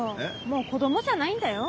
もう子供じゃないんだよ。